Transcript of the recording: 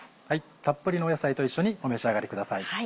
たっぷりの野菜と一緒にお召し上がりください。